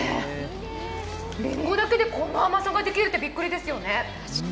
りんごだけでこの甘さができるって、びっくりですよね。